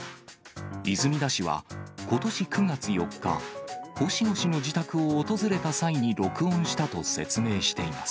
泉田氏は、ことし９月４日、星野氏の自宅を訪れた際に録音したと説明しています。